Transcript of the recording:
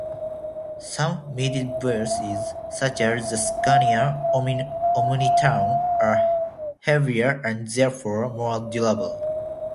Some midibuses, such as the Scania OmniTown, are heavier and therefore more durable.